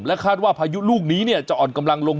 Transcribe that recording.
และคาดว่าพายุลูกนี้เนี่ยจะอ่อนกำลังลง